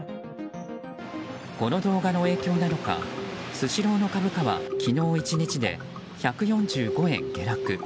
この動画の影響なのかスシローの株価は昨日１日で、１４５円下落。